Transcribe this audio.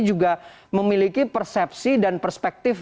juga memiliki persepsi dan perspektif